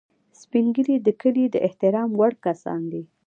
سپین ږیری د کلي د احترام وړ کسان دي